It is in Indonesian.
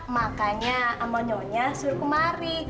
makanya sama nyonya suruh kemari